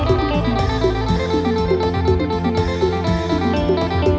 เธอไม่รู้ว่าเธอไม่รู้